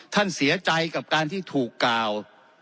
ท่านเสียใจกับการที่ถูกกล่าว